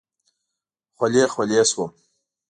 خولې خولې شوم.